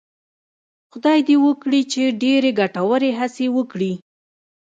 خدای دې وکړي چې ډېرې ګټورې هڅې وکړي.